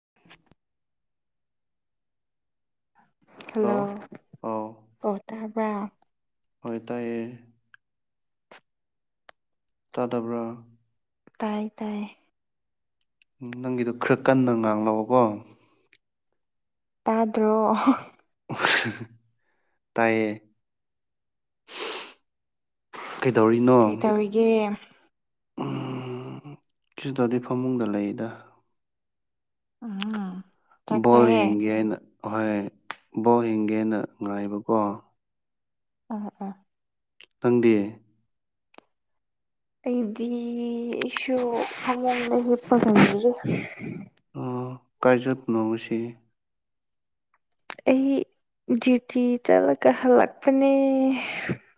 [unintelligible] hello ꯑꯥꯎ ꯑꯣ ꯇꯥꯔꯕ꯭ꯔꯥ ꯍꯣꯏ ꯇꯥꯏꯌꯦ ꯇꯥꯗꯕ꯭ꯔꯥ ꯇꯥꯏ ꯇꯥꯏ ꯅꯪꯒꯤꯗꯣ ꯈꯔ ꯀꯟꯅ ꯉꯥꯡꯂꯛꯑꯣꯀꯣ ꯇꯥꯗ꯭ꯔꯣ ꯇꯥꯏꯌꯦ ꯀꯩꯗꯧꯔꯤꯅꯣ ꯀꯩꯇꯧꯔꯤꯒꯦ ꯎꯝ ꯀꯩꯁꯨ ꯇꯧꯗ‌ꯦ ꯐꯕꯨꯡꯗ ꯂꯩꯗ ꯎꯝ ꯆꯥꯛ ꯕꯣꯜ ꯆꯥꯔꯦ ꯍꯡꯒꯦꯅ ꯍꯣꯏ ꯕꯣꯜ ꯍꯤꯡꯒꯦꯅ ꯉꯥꯏꯕꯀꯣ [unintelligible] ꯈꯪꯗꯦ ꯑꯩꯗꯤ ꯏꯁꯨ ꯐꯕꯨꯡꯗ ꯍꯤꯝꯄ ꯂꯩꯌ‌ꯦ ꯎꯝ ꯀꯥꯏꯖꯠꯅꯣꯉꯁꯤ ꯑꯩ ꯗ꯭ꯌꯨꯇꯤ ꯆꯠꯂꯒ ꯍꯜꯂꯛꯄꯅꯦ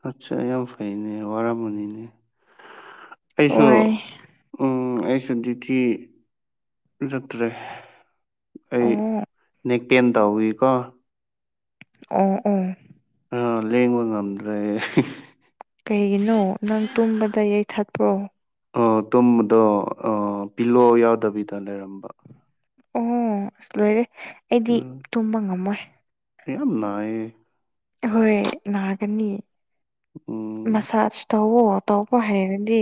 ꯑꯠꯆꯥ ꯌꯥꯝ ꯐꯩꯅꯦ ꯋꯥꯔꯝꯃꯅꯤꯅꯦ ꯑꯩꯁꯨ ꯋꯥꯏ ꯎꯝ ꯑꯩꯁꯨ ꯗꯤꯇꯤ ꯆꯠꯇ꯭ꯔꯦ ꯑꯩ ꯑꯣ ꯅꯦꯛꯛꯄ‌ꯦꯟ ꯇꯧꯏꯀꯣ ꯑꯣ ꯑꫭ ꯑꯥ ꯂꯦꯡꯕ ꯉꯝꯗ꯭ꯔꯦ ꯀꯩꯒꯤꯅꯣ ꯅꯪ ꯇꯨꯝꯕꯗ ꯌꯩꯊꯠꯄ꯭ꯔꯣ ꯑꫭ ꯇꯨꯝꯕꯗꯣ ꯄꯤꯂꯣ ꯌꯥꯎꯗꯕꯤꯗ ꯂꯩꯔꯝꯕ ꯑꯣ ꯑꯁ ꯂꯣꯏꯔꯦ ꯑꯩꯗꯤ ꯎꯝ ꯇꯨꯝꯕ ꯉꯝꯃꯣꯏ ꯌꯥꯝ ꯅꯥꯏꯑꯌꯦ ꯍꯣꯏ ꯅꯥꯒꯅꯤ ꯎꯝ ꯃꯁꯥꯖ ꯇꯧꯋꯣ ꯇꯧꯕ ꯍꯩꯔꯗꯤ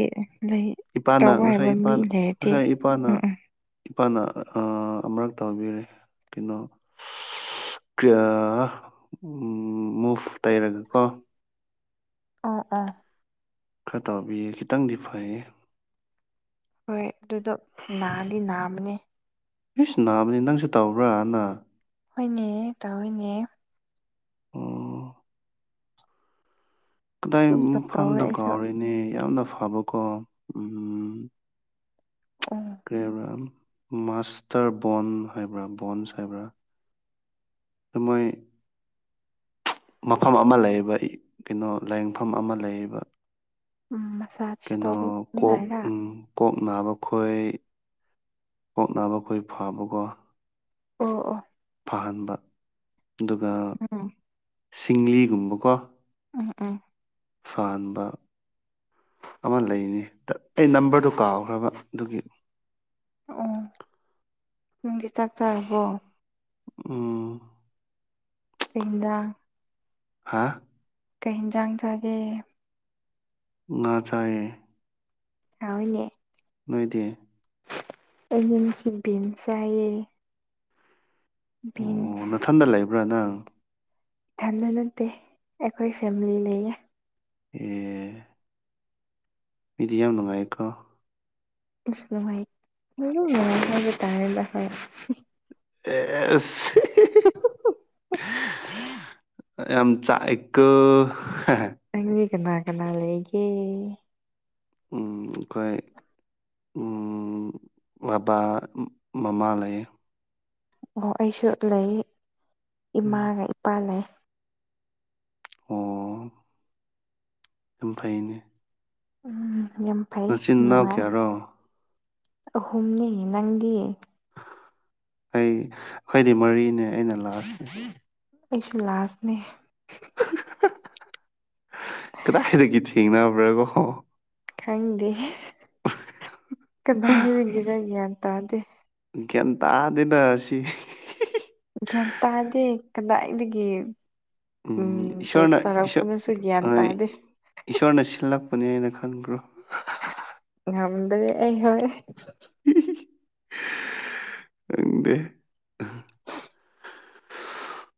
ꯂꯩ ꯏꯄꯥꯅ ꯇꯧꯕ ꯍꯩꯕ ꯉꯁꯥꯏ ꯃꯤ ꯏꯄꯥꯅ ꯂꯩꯔꯗꯤ ꯉꯁꯥꯏ ꯏꯄꯥꯅ ꯎꯝ ꯎꯝ ꯏꯄꯥꯅ ꯑꯃꯨꯔꯛ ꯇꯧꯕꯤꯔꯦ ꯀꯩꯅꯣ [unintelligible] ꯃꯨꯐ ꯇꯩꯔꯒꯀꯣ ꯑꯥ ꯑꯥ ꯈꯔ ꯇꯥꯕꯤꯌꯦ ꯈꯤꯇꯪꯗꯤ ꯐꯩꯌꯦ ꯍꯣꯏ ꯑꯗꯨꯗꯣ ꯅꯥꯗꯤ ꯅꯥꯕꯅꯦ ꯏꯁ ꯅꯥꯕꯅꯤ ꯅꯪꯁꯨ ꯇꯧꯕ꯭ꯔꯥ ꯍꯟꯗꯛ ꯍꯣꯏꯅꯦ ꯇꯧꯑꯦꯅꯦ ꯑꯣ ꯀꯗꯥꯏ ꯑꯗꯨꯝ ꯇꯧꯔꯦ ꯃꯐꯝꯗꯣ ꯑꯩꯁꯨ ꯀꯥꯎꯔꯤꯅꯦ ꯌꯥꯝꯅ ꯐꯕꯀꯣ ꯎꯝ ꯎꯝ ꯀꯩ ꯍꯥꯏꯕ꯭ꯔꯥ ꯃꯥꯁꯇꯔ ꯕꯣꯟ ꯍꯥꯏꯕ꯭ꯔꯥ ꯕꯣꯟꯁ ꯍꯥꯏꯕ꯭ꯔꯥ ꯑꯗꯨ ꯃꯣꯏ ꯃꯐꯝ ꯑꯃ ꯂꯩꯌꯦꯕ ꯀꯩꯅꯣ ꯂꯥꯏꯌꯦꯡꯐꯝ ꯑꯃ ꯂꯩꯌꯦꯕ ꯎꯝ ꯃꯁꯥꯖ ꯀꯩꯅꯣ ꯀꯣꯛ ꯇꯧꯅꯤꯡꯉꯥꯏꯔ ꯎꯝ ꯀꯣꯛ ꯅꯥꯕ ꯈꯣꯏ ꯀꯣꯛ ꯅꯥꯕ ꯈꯣꯏ ꯐꯕꯀꯣ ꯑꯣ ꯑꯣ ꯐꯍꯟꯕ ꯑꯗꯨꯒ ꯑ ꯁꯤꯡꯂꯤꯒꯨꯝꯕꯀꯣ ꯎꯝ ꯎ ꯐꯍꯕ ꯑꯃ ꯂꯩꯅꯤ ꯑꯩ ꯅꯝꯕꯔꯗꯣ ꯀꯥꯎꯈ꯭ꯔꯕ ꯑꯗꯨꯒꯤ ꯑꯣ ꯅꯪꯗꯤ ꯆꯥꯛ ꯆꯥꯔꯕꯣ ꯎꯝ ꯇꯦꯡꯗ ꯍꯥꯥ ꯀꯩ ꯌꯦꯟꯖꯥꯡ ꯆꯥꯒꯦ ꯉꯥ ꯆꯥꯢꯑꯦ ꯍꯥꯎꯢꯅꯦ ꯅꯣꯏꯗꯤ ꯑꯩꯗꯤ ꯕꯤꯟ ꯆꯥꯏꯌꯦ ꯕꯤꯟꯁ ꯃꯊꯟꯗ ꯂꯩꯕ꯭ꯔꯥ ꯅꯪ ꯊꯟꯗ ꯅꯠꯇꯦ ꯑꯩꯈꯣꯏ ꯐꯦꯃꯤꯂꯤ ꯂꯩꯌꯦ ꯑꯦ ꯃꯤꯗꯤ ꯌꯥꯝ ꯅꯨꯡꯉꯥꯏꯀꯣ ꯢꯁ ꯅꯨꯉꯥꯏ [inaudible] ꯍꯥꯏꯕ ꯇꯔꯗ ꯍ ꯑꯦꯁ [unintelligible] ꯌꯥꯝ ꯆꯥꯛꯑꯦꯀꯣ ꯅꯪꯗꯤ ꯀꯅꯥ ꯀꯅꯥ ꯂꯩꯒꯦ ꯎꯝ ꯑꯩꯈꯣꯏ ꯎꯝ ꯎꯝ ꯕꯥꯕꯥ ꯃꯃꯥ ꯂꯩ ꯑꯣ ꯑꯩꯁꯨ ꯂꯩ ꯎꯝ ꯏꯃꯥꯒ ꯏꯄꯥ ꯂꯩ ꯑꯣ ꯌꯥꯝ ꯐꯩꯅꯦ ꯎꯝ ꯌꯥꯝ ꯐꯩ ꯅꯆꯤꯟ ꯅꯅꯥꯎ ꯅꯨꯡꯉꯥꯏ ꯀꯌꯥꯔꯣ ꯑꯍꯨꯝꯅꯤ ꯅꯪꯒꯤ ꯑꯩ ꯑꯩꯈꯣꯏꯗꯤ ꯃꯔꯤꯅꯦ ꯑꯩꯅ ꯂꯥꯁꯅꯦ ꯑꯩꯁꯨ ꯂꯥꯁꯅꯦ ꯀꯗꯥꯏꯗꯒꯤ ꯊꯦꯡꯅꯕ꯭ꯔꯥꯒꯣ ꯈꯪꯗꯦ ꯀꯗꯥꯏ ꯍꯥꯏꯗꯒꯦꯔ ꯒ꯭ꯌꯥꯟ ꯇꯥꯗꯦ ꯒ꯭ꯌꯥꯟ ꯇꯥꯗꯦꯗ ꯑꯁꯤ ꯒ꯭ꯌꯥꯟ ꯇꯥꯗꯦ ꯀꯗꯥꯏꯗꯒꯤ ꯎꯝ ꯇꯦꯛꯁ ꯏꯁꯣꯔꯅ ꯏꯁꯣꯔ ꯇꯥꯔꯛꯄꯅꯁꯨ ꯒ꯭ꯌꯥꯟ ꯍꯣꯏ ꯇꯥꯗꯦ ꯏꯁꯣꯔꯅ ꯁꯤꯜꯂꯛꯄꯅꯦꯅ ꯈꯟꯕ꯭ꯔꯣ ꯉꯥꯝꯗꯔꯦ ꯑꯩꯍꯣꯏ ꯈꯪꯗꯦ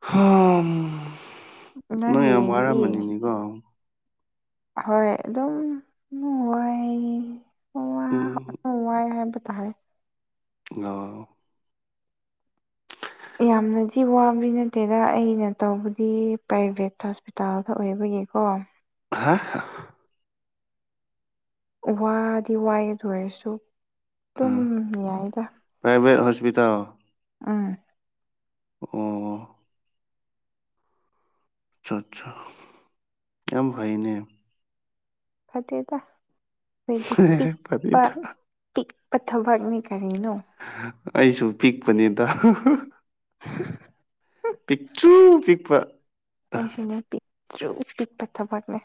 ꯍꯝ ꯅꯪ ꯅꯣꯏ ꯌꯥꯝ ꯍꯌꯦꯡꯗꯤ ꯋꯥꯔꯝꯃꯅꯤꯅꯤꯀꯣ ꯍꯣꯏ ꯑꯗꯨꯝ ꯅꯨꯡꯉꯥꯏ ꯎꯝ ꯑꯣ ꯋꯥꯏ ꯍꯥꯏꯕ ꯇꯥꯔꯦ ꯉꯣ ꯌꯥꯝꯅꯗꯤ ꯋꯥꯕꯗꯤ ꯅꯠꯇꯦꯗ ꯑꯩꯅ ꯇꯧꯕꯗꯤ ꯄ꯭ꯔꯥꯏꯚꯦꯠ ꯍꯣꯁꯄꯤꯇꯥꯜꯗ ꯑꯣꯏꯕꯒꯤꯀꯣ ꯍꯥ ꯍꯥ ꯋꯥꯗꯤ ꯋꯥꯏ ꯑꯗꯨ ꯑꯣꯏꯔꯁꯨ ꯑ ꯇꯨꯝ ꯌꯥꯏꯗ ꯄ꯭ꯔꯥꯏꯚꯦꯠ ꯍꯣꯁꯄꯤꯇꯥꯜ ꯑꯥ ꯑꯣ ꯑ ꯑꯠꯆꯥ ꯌꯥꯝ ꯐꯩꯅꯦ ꯐꯠꯇꯦꯗ ꯍꯣꯏꯗꯤ ꯄꯤꯛꯄ ꯐꯅꯤꯗ ꯇꯤꯛꯄ ꯊꯕꯛꯅꯤ ꯀꯔꯤꯅꯣ ꯑꯩꯁꯨ ꯄꯤꯛꯄꯅꯦꯗ ꯄꯤꯛꯇꯨ ꯄꯤꯛꯄ ꯑꯩꯁꯨꯅꯦ ꯄꯤꯛꯇꯔꯨ ꯄꯤꯠꯄ ꯊꯕꯛ ꯅꯦ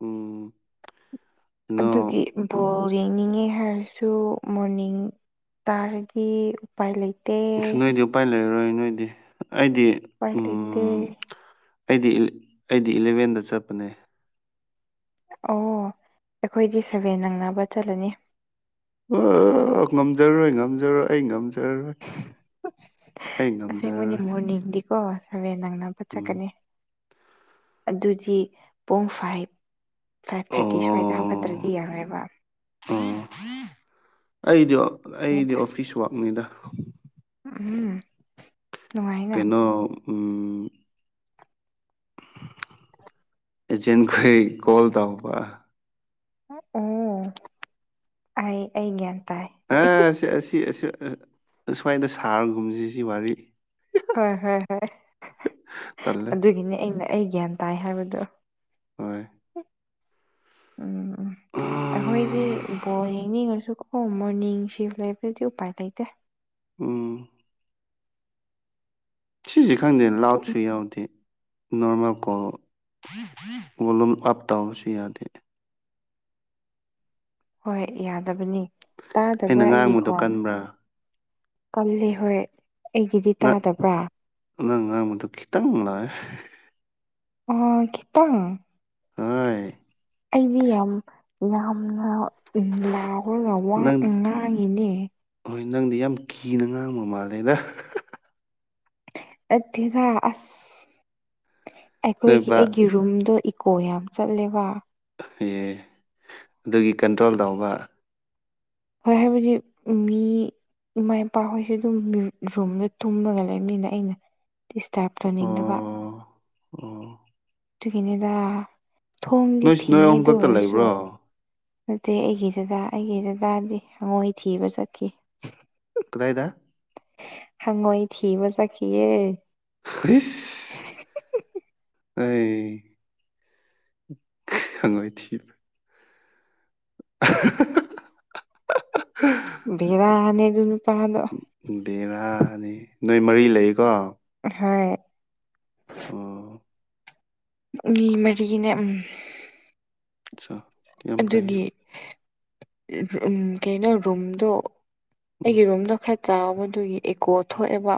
ꯎꯝ ꯀꯩꯅꯣ ꯑꯗꯨꯒꯤ ꯕꯣꯟ ꯌꯦꯡꯅꯤꯡꯉꯦ ꯍꯥꯏꯔꯁꯨ ꯃꯣꯔꯅꯤꯡ ꯇꯥꯔꯗꯤ ꯎꯄꯥꯏ ꯂꯩꯇꯦ ꯅꯣꯏꯗꯤ ꯎꯄꯥꯏ ꯂꯩꯔꯔꯣꯏ ꯅꯣꯏꯗꯤ ꯑꯩꯗꯤ ꯎꯄꯥꯏ ꯂꯩꯇꯦ ꯎꯝ ꯑꯩꯗꯤ ꯑꯩꯗꯤ ꯏꯂꯚꯦꯟꯗ ꯆꯠꯄꯅꯦ ꯑꯣ ꯑꯩꯈꯣꯏꯗꯤ ꯁꯚꯦꯟ ꯅꯪꯅꯕ ꯆꯠꯂꯅꯤ ꯑ ꯉꯝꯖꯔꯔꯣꯏ ꯉꯝꯖꯔꯣꯏ ꯑꯩ ꯉꯝꯖꯔꯔꯣꯏ ꯑꯩ ꯑꯁꯦꯡꯕꯅꯤ ꯉꯝꯖꯔꯔꯣꯏ ꯃꯣꯔꯅꯤꯡꯗꯤꯀꯣ ꯁꯕꯦꯟ ꯅꯪꯅꯕ ꯎꯝ ꯆꯠꯀꯅꯤ ꯑꯗꯨꯗꯤ ꯄꯨꯡ ꯐꯥꯏꯚ ꯐꯥꯏꯚ ꯊꯥꯔꯇꯤ ꯁ꯭ꯋꯥꯏꯗ ꯑꯣ ꯍꯧꯒꯠꯇ꯭ꯔꯗꯤ ꯌꯥꯔꯣꯏꯕ ꯑꯣ ꯑꯩꯗꯤ ꯑꯩꯗꯤ ꯅꯦꯗ ꯑꯣꯐꯤꯁ ꯋꯥꯛꯅꯤꯗ ꯎꯝ ꯅꯨꯡꯉꯥꯏꯅ ꯀꯩꯅꯣ ꯎꯝ ꯑꯦꯆꯦꯟꯈꯩ ꯀꯣꯜ ꯇꯧꯕ ꯑꯣ ꯑꯩ ꯑꯩ ꯒ꯭ꯌꯥꯟ ꯇꯥꯏ ꯑ ꯑꯁꯤ ꯑꯁꯤ ꯑꯁ꯭ꯋꯥꯏꯗ ꯁꯥꯔꯒꯨꯝꯁꯦ ꯁꯤ ꯋꯥꯔꯤ ꯍꯣꯏ ꯍꯣꯏ ꯍꯣꯏ ꯇꯜꯂꯦ ꯑꯗꯨꯒꯤꯅꯤ ꯑꯩꯅ ꯑꯩ ꯒ꯭ꯌꯥꯟ ꯇꯥꯏ ꯍꯥꯏꯕꯗꯣ ꯍꯣꯏ ꯎꯝ ꯎꯝ ꯑꯩꯈꯣꯏꯗꯤ ꯎꯝ ꯕꯣꯜ ꯌꯦꯡꯅꯤꯡꯉꯁꯨ ꯑꯣ ꯃꯣꯔꯅꯤꯡ ꯁꯤꯐ ꯂꯩꯕ꯭ꯔꯗꯤ ꯎꯄꯥꯏ ꯂꯩꯇꯦ ꯎꯝ ꯁꯤꯁꯦ ꯈꯪꯗꯦ ꯂꯥꯎꯁꯨꯨꯏ ꯌꯥꯎꯗꯤ ꯅꯣꯔꯃꯦꯜ ꯀꯣꯜ ꯕꯣꯂꯨꯝ ꯑꯞ ꯇꯧꯕꯁꯨ ꯌꯥꯗꯦ ꯍꯣꯏ ꯌꯥꯗꯕꯅꯤ ꯑꯩꯅ ꯇꯥꯗꯕ꯭ꯔꯥ ꯑꯩꯒꯤ ꯉꯥꯡꯕꯗꯣ ꯈꯣꯟ ꯀꯟꯕ꯭ꯔꯥ ꯀꯜꯂꯦ ꯍꯣꯏ ꯑꯩꯒꯤꯗꯤ ꯅꯪ ꯇꯥꯗꯕ꯭ꯔꯥ ꯅꯪ ꯉꯥꯡꯕꯗꯨ ꯈꯤꯇꯪ ꯉꯥꯏ ꯑꯣ ꯈꯤꯇꯪ ꯍꯥꯏ ꯑꯩꯗꯤ ꯌꯥꯝ ꯌꯥꯝꯅ ꯂꯥꯎꯔꯒꯥ ꯋꯥ ꯅꯪ ꯉꯥꯡꯉꯤꯅꯦ ꯍꯣꯏ ꯅꯪꯗꯤ ꯌꯥꯝ ꯀꯤꯅ ꯉꯥꯡꯕ ꯃꯥꯜꯂꯦꯗꯥ ꯅꯠꯇꯦꯗꯥ ꯑꯁ ꯅꯣꯏ ꯑꯩꯈꯣꯏꯒꯤ ꯕꯥ ꯑꯩꯒꯤ ꯔꯨꯝꯗꯣ ꯏꯀꯣ ꯌꯥꯝ ꯆꯠꯂꯦꯕ ꯑꯦ ꯑꯗꯨꯒꯤ ꯀꯟꯇ꯭ꯔꯣꯜ ꯇꯧꯕ ꯍꯣꯏ ꯍꯥꯏꯕꯗꯤ ꯃꯤ ꯏꯃꯥ ꯏꯄꯥꯍꯣꯏꯁꯨ ꯑꯗꯨꯝ ꯔꯨꯝꯗ ꯇꯨꯝꯃꯒ ꯂꯩꯕꯅꯤꯅ ꯑꯩꯅ ꯗꯤꯁꯇꯔꯕ ꯑꯣ ꯇꯧꯅꯤꯡꯗꯕ ꯑꯣ ꯑꯗꯨꯨꯒꯤꯅꯤꯗꯥ ꯊꯣꯡꯗꯤ ꯅꯣꯏ ꯅꯣꯏ ꯊꯤꯡꯉꯦ ꯑꯍꯨꯝ ꯈꯛꯇ ꯑꯗꯨꯑꯣꯏꯔꯁꯨ ꯂꯩꯕ꯭ꯔꯣ ꯅꯠꯇꯦ ꯑꯩꯒꯤ ꯗꯥꯗꯥ ꯑꯩꯒꯤ ꯗꯥꯗꯥꯗꯤ ꯃꯣꯏ ꯊꯤꯕ ꯆꯠꯈꯤ ꯀꯗꯥꯏꯗ ꯍꯪꯉꯣꯏ ꯊꯤꯕ ꯆꯠꯈꯤꯌꯦ ꯍꯤꯁ ꯑꯦ ꯈꯪꯉꯣꯏ ꯊꯤꯕꯥ [unintelligible] ꯕꯦꯔꯥꯅꯦ ꯑꯗꯨ ꯅꯨꯄꯥꯗꯣ ꯕꯦꯔꯥꯅꯦ ꯅꯣꯏ ꯃꯔꯤ ꯂꯩꯀꯣ ꯍꯣꯏ ꯑꯣ ꯃꯤ ꯃꯔꯤꯅꯦ ꯎꯝ ꯆꯥ ꯑꯗꯨꯒꯤ ꯎꯝ ꯀꯩꯅꯣ ꯔꯨꯝꯗꯣ ꯎꯝ ꯑꯩꯒꯤ ꯔꯨꯝꯗꯣ ꯈꯔꯥ ꯆꯥꯎꯕꯗꯨꯒꯤ ꯑꯦꯀꯣ ꯊꯣꯛꯑꯦꯕ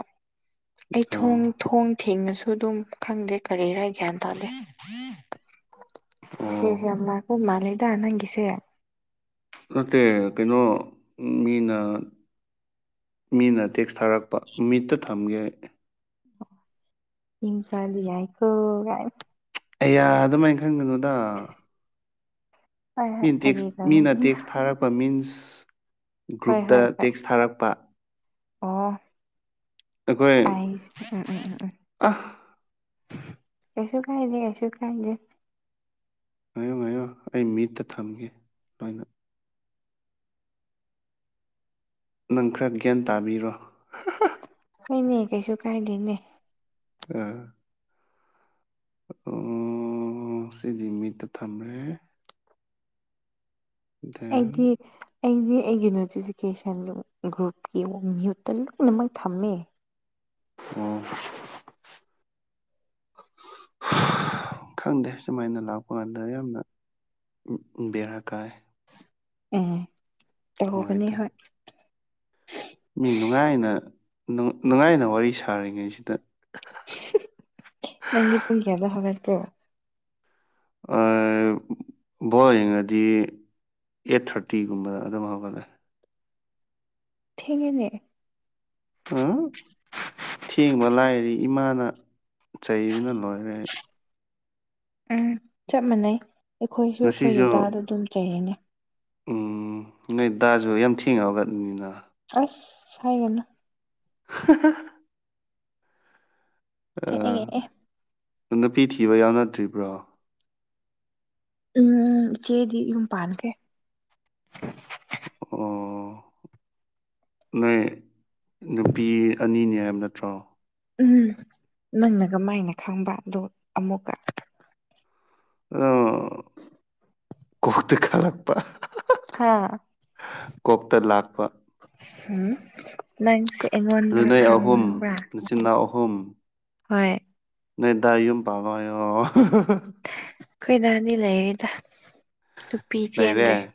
ꯑꯩ ꯊꯣꯡ ꯑꯣ ꯊꯣꯡ ꯊꯤꯡꯉꯥꯁꯨ ꯑꯗꯨꯝ ꯈꯪꯗꯦ ꯀꯔꯤꯔꯥ ꯑꯩ ꯒ꯭ꯌꯥꯟ ꯇꯥꯗꯦ ꯁꯤꯁꯦ ꯌꯥꯝ ꯑꯣ ꯂꯥꯛꯄ ꯃꯥꯜꯂꯦꯗ ꯅꯪꯒꯤꯁꯦ ꯅꯠꯇꯦ ꯀꯩꯅꯣ ꯃꯤꯅ ꯃꯤꯅ ꯇꯦꯛꯁ ꯊꯥꯔꯛꯄ ꯃꯤꯠꯇꯥ ꯊꯝꯒꯦ ꯏꯀꯥꯏꯕꯥ ꯌꯥꯏꯀꯣ ꯑꯌꯥ ꯑꯗꯨꯃꯥꯏꯅ ꯈꯟꯒꯅꯨꯗ ꯍꯣꯏ ꯍꯣꯏ ꯃꯤꯅ ꯇꯦꯛꯁ ꯐꯥꯒꯤ ꯃꯤꯅ ꯇꯧꯕꯅꯤ ꯇꯦꯛꯁ ꯊꯥꯔꯛꯄ ꯃꯤꯟꯁ ꯍꯣꯏ ꯒ꯭ꯔꯨꯞꯇ ꯍꯣꯏ ꯍꯣꯏ ꯇꯦꯛꯁ ꯊꯥꯔꯛꯄꯥ ꯑꯣ ꯑꯩꯈꯣꯏ ꯑꯩꯁ ꯎꯝ ꯎꯝ ꯎꯝ ꯎꯝ ꯑ ꯀꯩꯁꯨ ꯀꯥꯏꯗꯦ ꯀꯩꯁꯨ ꯀꯥꯏꯗꯦ ꯉꯥꯏꯌꯣ ꯉꯥꯏꯌꯣ ꯑꯩ ꯃꯤꯠꯇꯥ ꯊꯝꯒꯦ ꯂꯣꯏꯅ ꯅꯪ ꯈꯔꯥ ꯒ꯭ꯌꯥꯟ ꯇꯥꯕꯤꯔꯣ ꯍꯣꯏꯅꯦ ꯀꯩꯁꯨ ꯀꯥꯏꯗꯦꯅꯦ ꯑꯥ ꯑꯣ ꯁꯤꯗꯤ ꯃꯤꯠꯇꯥ ꯊꯝꯔꯦ ꯗꯦꯟ ꯑꯩꯗꯤ ꯑꯩꯗꯤ ꯑꯩꯒꯤ ꯅꯣꯇꯤꯐꯤꯀꯦꯁꯟ ꯒ꯭ꯔꯨꯞꯀꯤ ꯃ꯭ꯌꯨꯠꯇꯥ ꯂꯣꯏꯅꯃꯛ ꯊꯝꯃꯦ ꯑꯣ [unintelligible] ꯈꯪꯗꯦ ꯁꯨꯃꯥꯏꯅ ꯂꯥꯛꯄ ꯀꯥꯟꯗ ꯌꯥꯝꯅ ꯕꯦꯔꯥ ꯀꯥꯏ ꯎꯝ ꯇꯧꯕꯥꯅꯦ ꯅꯨꯡꯉꯥꯏꯇꯦ ꯍꯣꯏ ꯃꯤ ꯅꯨꯡꯉꯥꯏꯅ ꯅꯨꯡꯉꯥꯏꯅ ꯋꯥꯔꯤ ꯁꯥꯔꯤꯉꯩꯁꯤꯗ ꯅꯪꯗꯤ ꯄꯨꯡ ꯀꯌꯥꯗ ꯍꯧꯒꯠꯀꯦ ꯑꯥ ꯕꯣꯜ ꯌꯦꯡꯉꯗꯤ ꯑꯩꯠ ꯊꯥꯔꯇꯤꯒꯨꯝꯕꯗ ꯑꯗꯨꯝ ꯍꯧꯒꯠꯂꯦ ꯊꯦꯡꯉꯦꯅꯦ ꯑꯥ ꯊꯦꯡꯕ ꯂꯥꯏꯔꯤ ꯏꯃꯥꯅ ꯆꯩꯕꯅ ꯂꯣꯏꯔꯦ ꯎꯝ ꯆꯞ ꯃꯥꯟꯅꯩ ꯑꯩꯈꯣꯏꯁꯨ ꯑꯈꯣꯏ ꯉꯁꯤꯁꯨ ꯗꯥꯗꯥꯗ ꯑꯗꯨꯝ ꯆꯩꯔꯤꯅꯦ ꯎꯝ ꯅꯣꯏ ꯗꯥꯁꯨ ꯌꯥꯝ ꯊꯦꯡꯉ ꯍꯧꯒꯠꯅꯤꯅ ꯑꯁ ꯍꯥꯏꯒꯅꯨ [unintelligible] ꯊꯛꯏꯪꯉꯦꯑꯦ ꯅꯨꯄꯤ ꯊꯤꯕ ꯌꯥꯎꯅꯗ꯭ꯔꯤꯕ꯭ꯔꯣ ꯎꯝ ꯏꯆꯦꯗꯤ ꯌꯨꯝ ꯄꯥꯟꯈ꯭ꯔꯦ ꯑꯣ ꯅꯣꯏ ꯅꯨꯄꯤ ꯑꯅꯤꯅꯤ ꯍꯥꯏꯃ ꯅꯠꯇ꯭ꯔꯣ ꯎꯝ ꯅꯪꯅ ꯀꯃꯥꯏꯅ ꯈꯪꯕ ꯑꯗꯣ ꯑꯃꯨꯛꯀ ꯑꯗꯣ ꯀꯣꯛꯇ ꯈꯜꯂꯛꯄ ꯍꯥꯥ ꯂꯥꯛꯄ ꯍꯨꯝ ꯅꯪꯁꯦ ꯑꯗꯨ ꯑꯩꯉꯣꯟꯗ ꯅꯣꯏ ꯑꯍꯨꯝ ꯈꯪꯕ꯭ꯔꯥ ꯅꯆꯤꯟ ꯍꯣꯏ ꯅꯣꯏ ꯗꯥ ꯌꯨꯝ ꯄꯥꯟꯕ ꯌꯥꯎꯔ ꯍꯥ ꯍꯥ ꯑꯩꯈꯣꯏ ꯗꯥꯗꯤ ꯂꯩꯔꯦꯗ ꯅꯨꯄꯤ ꯆꯦꯟꯗꯦ ꯂꯩꯔꯦ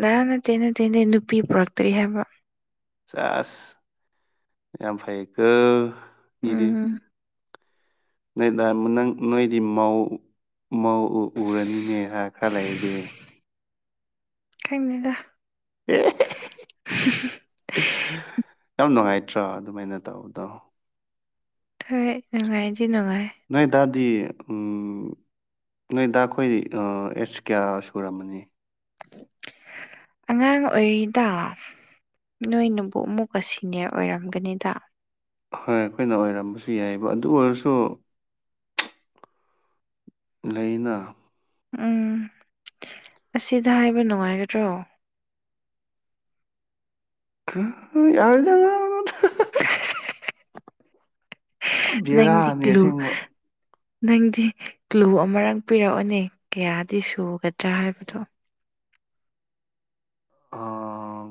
ꯅꯍꯥ ꯅꯠꯇꯦ ꯅꯠꯇꯦꯅꯦ ꯅꯨꯄꯤ ꯄꯨꯔꯛꯇ꯭ꯔꯤ ꯍꯥꯏꯕ ꯆꯦꯁ ꯌꯥꯝ ꯐꯩꯀꯣ ꯃꯤꯗꯤ ꯎꯝ ꯅꯣꯏ ꯗꯥ ꯃꯅꯪ ꯅꯣꯏꯗꯤ ꯃꯧ ꯎ ꯃꯧ ꯎ ꯎꯔꯅꯤꯅꯦ ꯍꯥ ꯈꯔ ꯂꯩꯔꯗꯤ ꯈꯪꯗꯦꯗ ꯌꯥꯝ ꯅꯨꯉꯥꯏꯇ꯭ꯔꯣ ꯑꯗꯨꯃꯥꯏꯅ ꯇꯧꯕꯗꯣ ꯍꯣꯏ ꯅꯨꯡꯉꯥꯏꯗꯤ ꯅꯨꯡꯉꯥꯏ ꯅꯣꯏ ꯗꯥꯗꯤ ꯎꯝ ꯅꯣꯏ ꯗꯥ ꯈꯣꯏ ꯑ ꯑꯦꯁ ꯀꯌꯥ ꯁꯨꯔꯝꯃꯅꯤ ꯑꯉꯥꯡ ꯑꯣꯏꯔꯤꯗ ꯅꯣꯏꯅꯕꯨ ꯑꯃꯨꯛꯀ ꯁꯤꯅꯤꯌꯔ ꯑꯣꯏꯔꯝꯒꯅꯤꯗ ꯍꯣꯏ ꯑꯩꯈꯣꯏꯅ ꯑꯣꯏꯔꯝꯕꯁꯨ ꯌꯥꯏꯕ ꯑꯗꯨ ꯑꯣꯏꯔꯁꯨ ꯂꯩꯅ ꯎꯝ ꯑꯁꯤꯗ ꯍꯥꯏꯕ ꯅꯨꯡꯉꯥꯏꯒꯗ꯭ꯔꯣ [unintelligible] ꯕꯦꯔꯥꯅꯤ ꯅꯪꯗꯤꯀꯨꯂꯨ ꯑꯁꯦꯡꯕ ꯅꯪꯗꯤ ꯀ꯭ꯂꯨ ꯑꯃꯔꯛ ꯄꯤꯔꯛꯑꯣꯅꯦ ꯀꯌꯥꯗꯤ ꯁꯨꯒꯗ꯭ꯔꯥ ꯍꯥꯏꯕꯗꯣ ꯑꯥ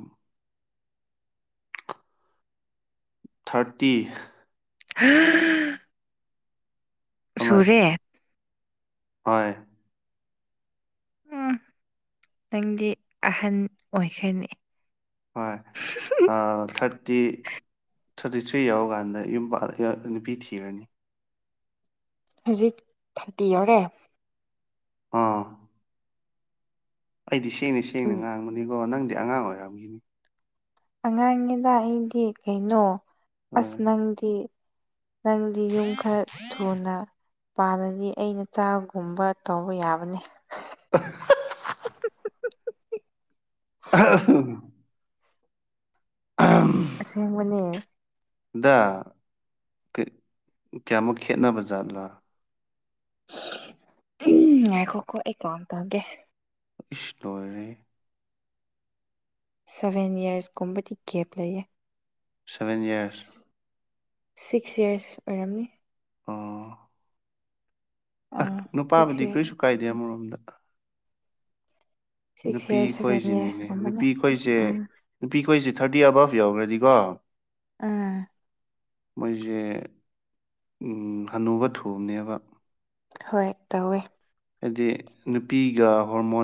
ꯊꯥꯔꯇꯤ ꯍꯥ ꯁꯨꯔꯦ ꯑꯃ ꯍꯣꯏ ꯎꯝ ꯅꯪꯗꯤ ꯑꯍꯟ ꯑꯣꯏꯈ꯭ꯔꯦꯅꯦ ꯑ ꯊꯥꯔꯇꯤ ꯊꯥꯔꯇꯤ ꯊ꯭ꯔꯤ ꯌꯥꯎꯔꯀꯥꯟꯗ ꯌꯨꯝꯄꯥꯜ ꯅꯨꯄꯤ ꯊꯤꯔꯅꯤ ꯍꯧꯖꯤꯛ ꯊꯥꯔꯇꯤ ꯌꯧꯔꯦ ꯑꯥ ꯑꯩꯗꯤ ꯁꯦꯡꯅ ꯁꯦꯡꯅ ꯎꯝ ꯉꯥꯡꯕꯅꯤꯀꯣ ꯅꯪꯗꯤ ꯑꯉꯥꯡ ꯑꯣꯏꯔꯝꯒꯤꯅꯤ ꯑꯉꯥꯡꯉꯦꯗ ꯑꯩꯗꯤ ꯀꯩꯅꯣ ꯑꯁ ꯍꯣꯏ ꯅꯪꯗꯤ ꯅꯪꯗꯤ ꯌꯨꯝ ꯈꯔ ꯊꯨꯅ ꯄꯥꯜꯂꯗꯤ ꯑꯩꯅ ꯆꯥꯒꯨꯝꯕ ꯇꯧꯕ ꯌꯥꯕꯅꯦ [unintelligible] ꯑꯍꯥ ꯍꯝ ꯑꯝ ꯑꯁꯦꯡꯕꯅꯦ ꯗꯥ ꯀꯌꯥꯃꯨꯛ ꯈꯦꯠꯅꯕ ꯖꯥꯠꯂꯥ ꯎꯝ ꯉꯥꯈꫭꯈꯣ ꯀꯣ ꯑꯩ ꯄꯥꯎ ꯇꯥꯒꯦ ꯏꯁ ꯂꯣꯏꯔꯦꯍꯦ ꯁꯔ‌ꯦꯟ ꯌꯔꯁꯀꯨꯝꯕꯗꯤ ꯒꯦꯞ ꯂꯩꯌꯦ ꯁꯚꯦꯟ ꯏꯌꯔꯁ ꯁꯤꯛꯁ ꯌꯔꯁ ꯑꯣꯏꯔꯝꯃꯤ ꯑ ꯑꯥ ꯁꯤꯛꯁ ꯅꯨꯄꯥꯕꯨꯗꯤ ꯌꯔꯁ ꯀꯔꯤꯁꯨ ꯀꯥꯏꯗꯦ ꯑꯃꯔꯣꯝꯗ ꯁꯤꯛꯁ ꯅꯨꯄꯤ ꯌꯔꯁ ꯁꯚꯦꯟ ꯑꯩꯈꯣꯏꯁꯤꯅꯤꯅꯦ ꯌꯔꯁꯀꯨꯝꯕꯅꯤ ꯅꯨꯄꯤ ꯑꯩꯈꯣꯏꯁꯦ ꯎꯝ ꯅꯨꯄꯤ ꯈꯈꯣꯏꯁꯦ ꯊꯥꯔꯇꯤ ꯑꯕꯞ ꯌꯧꯈ꯭ꯔꯗꯤꯀꯣ__ ꯑꯥ ꯃꯣꯏꯁꯦ ꯍꯅꯨꯕ ꯊꯣꯕꯅꯦꯕ ꯍꯣꯏ ꯇꯧꯋꯦ ꯍꯥꯏꯗꯤ ꯅꯨꯄꯤꯒ ꯍꯣꯔꯃꯣꯟ__